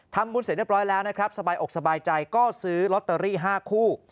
ทำบุญเสร็จเรียบร้อยแล้วสบายอกสบายใจก็ซื้อลอตเตอรี่๕คู่